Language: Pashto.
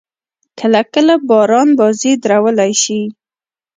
کله – کله باران بازي درولای سي.